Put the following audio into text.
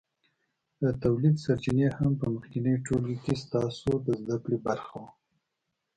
د تولید سرچینې هم په مخکېني ټولګي کې ستاسو د زده کړې برخه وه.